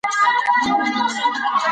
هر عمل چې د الله د رضا لپاره وي برکتي وي.